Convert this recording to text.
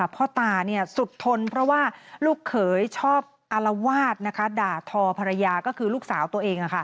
พ่อตาสุดทนเพราะว่าลูกเขยชอบอารวาสด่าทอภรรยาก็คือลูกสาวตัวเอง